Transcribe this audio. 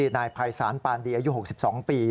นายภัยศาลปานดีอายุ๖๒ปี